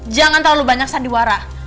jangan terlalu banyak sadiwara